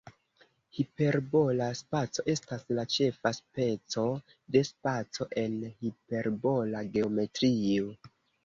Hiperbola spaco estas la ĉefa speco de spaco en hiperbola geometrio.